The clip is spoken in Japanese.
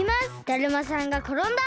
だるまさんがころんだ！